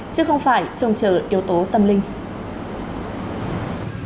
chứ không phải trông chờ yếu tố tâm linh